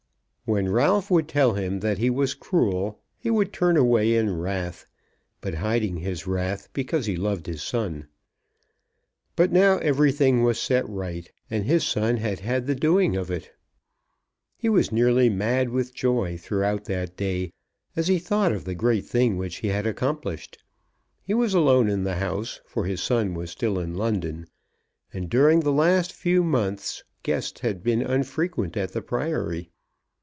When Ralph would tell him that he was cruel, he would turn away in wrath; but hiding his wrath, because he loved his son. But now everything was set right, and his son had had the doing of it. He was nearly mad with joy throughout that day as he thought of the great thing which he had accomplished. He was alone in the house, for his son was still in London, and during the last few months guests had been unfrequent at the Priory.